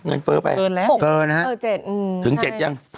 เงินเฟ้อไปเกินแล้ว๖เกินแล้ว๗ถึง๗ยัง